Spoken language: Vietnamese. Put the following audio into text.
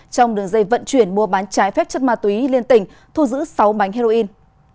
trong đường dây vận chuyển mua bán trái phép chất ma túy liên tỉnh thu giữ sáu bánh heroin